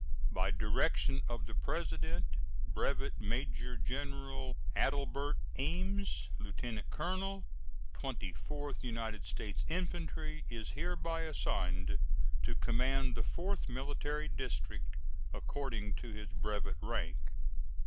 By direction of the President, Brevet Major General Adelbert Ames, lieutenant colonel Twenty fourth United States Infantry, is hereby assigned to command the Fourth Military District, according to his brevet rank.